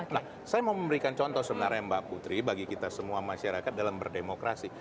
nah saya mau memberikan contoh sebenarnya mbak putri bagi kita semua masyarakat dalam berdemokrasi